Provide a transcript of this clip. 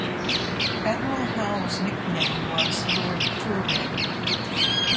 Admiral Howe's nickname was "Lord Torbay".